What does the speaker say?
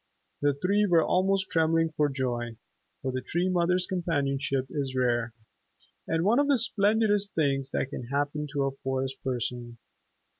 The three were almost trembling for joy, for the Tree Mother's companionship is rare, and one of the splendidest things that can happen to a Forest Person.